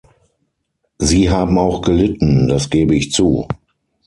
Sie haben auch gelitten, das gebe ich zu.